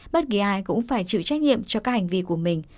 bất kỳ ai cũng phải chịu trách nhiệm cho các hành vi của mình